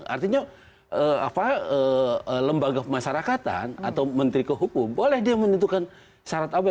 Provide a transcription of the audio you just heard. artinya lembaga pemasarakatan atau menteri kehukum boleh dia menentukan syarat apa